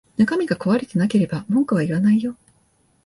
中身が壊れてなければ文句は言わないよ